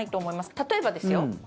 例えばですよ。